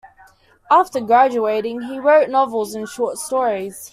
After graduating, he wrote novels and short stories.